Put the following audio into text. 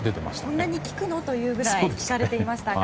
こんなに聞くの？というくらいに聞かれていましたが。